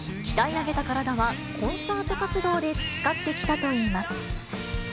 鍛え上げた体は、コンサート活動で培ってきたといいます。